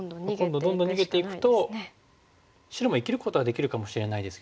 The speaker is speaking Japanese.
どんどんどんどん逃げていくと白も生きることができるかもしれないです